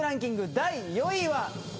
第４位は。